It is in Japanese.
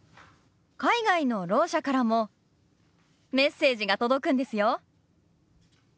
海外のろう者からもメッセージが届くんですよ。